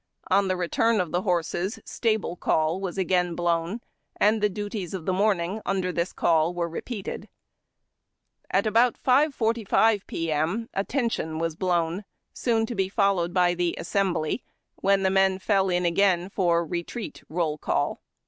On the return of the horses Stable Call was again blown, and the duties of the morning, under this call, repeated. At about oAo P. M., Attention was blown, soon to be followed by the Assemhhj, when the men fell in again for Retreat roll call.